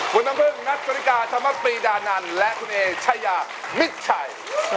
คุณน้ำพึ่งนัทธริกาธรรมปรีดานันและคุณเอชายามิดชัย